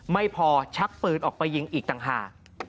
ไม่พอชักปืนออกไปยิงอีกต่างหาก